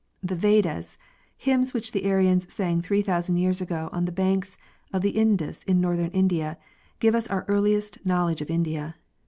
The vedas, hymns which the Aryans sang three thousand years ago on the banks of the Indus in northern India, give us our earliest knowledge of India.